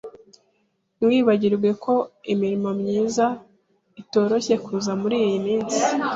Ntiwibagirwe ko imirimo myiza itoroshye kuza muriyi minsi.